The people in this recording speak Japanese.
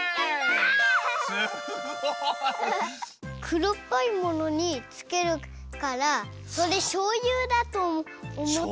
くろっぽいものにつけるからそれしょうゆだとおもったから。